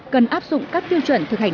cần áp dụng các tiêu chuẩn thực hành